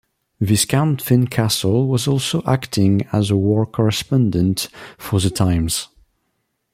Viscount Fincastle was also acting as a war correspondent, for "The Times".